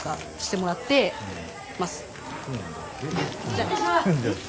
じゃあね。